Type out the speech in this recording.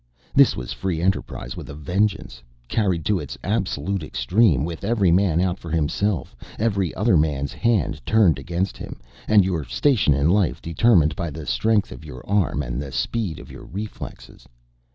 This was free enterprise with a vengeance, carried to its absolute extreme with every man out for himself, every other man's hand turned against him, and your station in life determined by the strength of your arm and the speed of your reflexes.